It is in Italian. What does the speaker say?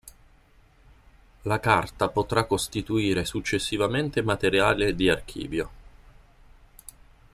La carta potrà costituire successivamente materiale di archivio.